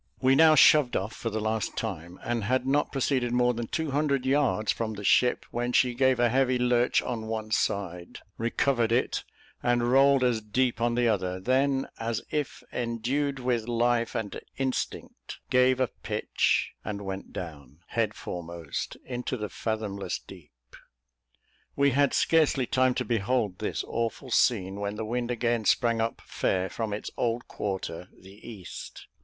We now shoved off for the last time; and had not proceeded more than two hundred yards from the ship, when she gave a heavy lurch on one side, recovered it, and rolled as deep on the other; then, as if endued with life and instinct, gave, a pitch, and went down, head foremost, into the fathomless deep. We had scarcely time to behold this awful scene, when the wind again sprang up fair, from its old quarter, the east.